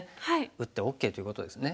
打ってＯＫということですね。